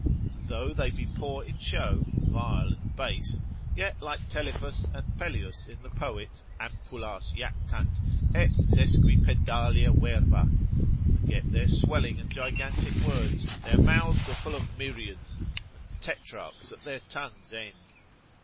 And though they be poor in show, vile and base, yet like Telephus and Peleus in the poet, Ampullas jactant et sesquipedalia verba, forget their swelling and gigantic words, their mouths are full of myriads, and tetrarchs at their tongues' end.